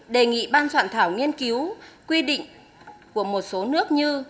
đề nghị ban soạn thảo nghiên cứu quy định của một số nước như